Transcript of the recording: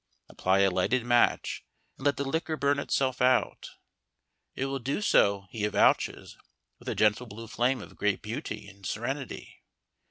Apply a lighted match, and let the liquor burn itself out. It will do so, he avouches, with a gentle blue flame of great beauty and serenity.